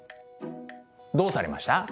どうされました？